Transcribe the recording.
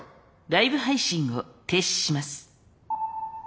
ライブ配信を停止します。